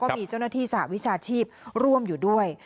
มีเจ้านาฏีสาปิวิชาชีพร่วมอยู่ด้วย